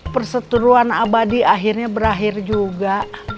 perseteruan abadi akhirnya berakhir juga